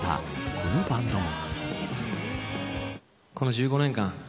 このバンドも。